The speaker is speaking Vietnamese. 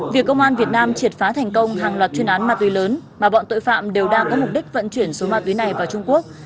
việc công an việt nam triệt phá thành công hàng loạt chuyên án ma túy lớn mà bọn tội phạm đều đang có mục đích vận chuyển số ma túy này vào trung quốc